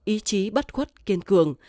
ý chí bất khuất kiên cường